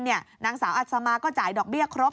นางสาวอัศมาก็จ่ายดอกเบี้ยครบ